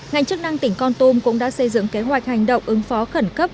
ngành chức năng tỉnh con tum cũng đã xây dựng kế hoạch hành động ứng phó khẩn cấp